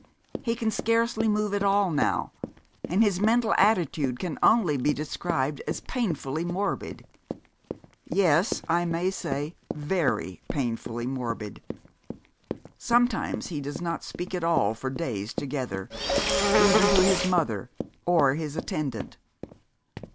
He can scarcely move at all now, and his mental attitude can only be described as painfully morbid yes, I may say very painfully morbid. Sometimes he does not speak at all for days together, even to his mother, or his attendant."